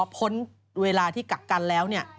พ้นเวลาที่กักกันแล้วเนี่ย